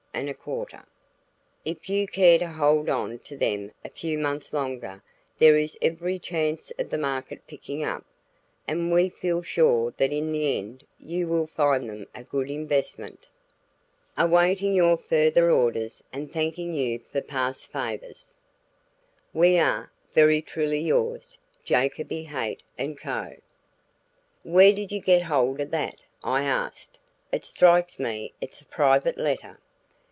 If you care to hold on to them a few months longer, there is every chance of the market picking up, and we feel sure that in the end you will find them a good investment. "Awaiting your further orders and thanking you for past favors, "We are, "Very truly yours, "JACOBY, HAIGHT & CO." "Where did you get hold of that?" I asked. "It strikes me it's a private letter."